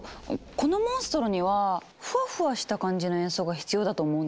このモンストロにはフワフワした感じの演奏が必要だと思うんです。